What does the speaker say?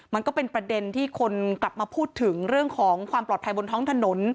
มันก็เป็นประเด็นที่คนกลับมาพูดถึงเรื่องของความปลอดภัยบนท้องถนน